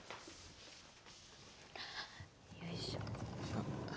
よいしょ。